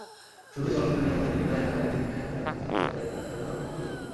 শুধু চলচ্চিত্রনির্মাতাই তিনি নন, একাধারে তিনি কাহিনিকার, চিত্রনাট্য রচয়িতা, চিত্রগ্রাহক এবং প্রযোজক।